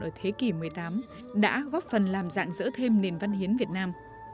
ở thế kỷ một mươi tám đã góp phần làm dạng dỡ thêm nền văn hiến việt nam